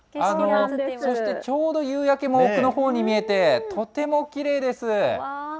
そしてちょうど夕焼けも奥のほうに見えて、とてもきれいです。